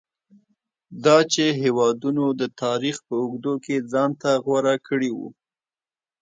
دا چې هېوادونو د تاریخ په اوږدو کې ځان ته غوره کړي وو.